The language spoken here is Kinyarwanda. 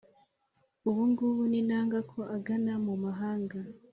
Ubu ngubu ninanga Ko agana mu mahanga